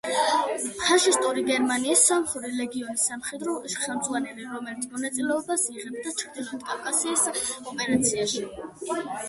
ფაშისტური გერმანიის სომხური ლეგიონის სამხედრო ხელმძღვანელი, რომელიც მონაწილეობას იღებდა ჩრდილოეთ კავკასიის ოპერაციაში.